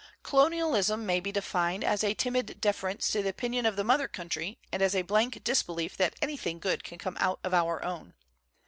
Colonialism may be defined 'mid deference to the opinion of the mother country and as a blank disbelief that anything good can come out of our own.